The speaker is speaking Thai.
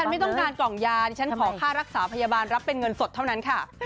ไม่ต้องการกล่องยาดิฉันขอค่ารักษาพยาบาลรับเป็นเงินสดเท่านั้นค่ะ